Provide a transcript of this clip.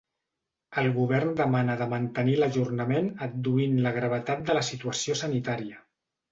El govern demana de mantenir l’ajornament adduint la gravetat de la situació sanitària.